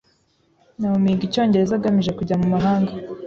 Naomi yiga icyongereza agamije kujya mu mahanga.